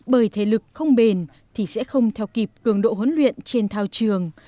bởi thể lực không bền thì sẽ không theo kịp cường độ huấn luyện trên thao trường